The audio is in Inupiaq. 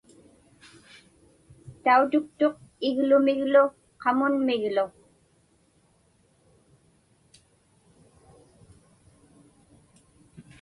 Tautuktuq iglumiglu qamunmiglu.